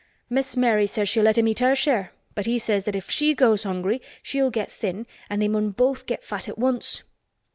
Miss Mary says she'll let him eat her share, but he says that if she goes hungry she'll get thin an' they mun both get fat at once."